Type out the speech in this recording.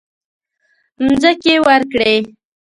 مځکې ورکړې.